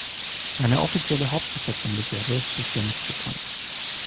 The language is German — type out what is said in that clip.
Eine offizielle Hauptbesetzung der Serie ist bisher nicht bekannt.